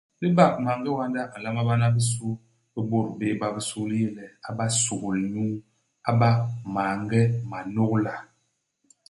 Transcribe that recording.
Ilibak maange wanda a nlamba bana i bisu bi bôt béé ba bisu li yé le, a ba suhul-nyuu. A ba maange manôgla.